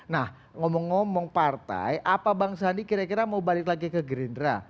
nah ngomong ngomong partai apa bang sandi kira kira mau balik lagi ke gerindra